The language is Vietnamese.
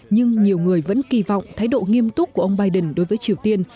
nhưng nhiều người vẫn kỳ vọng thái độ nghiêm túc của ông biden đối với triều tiên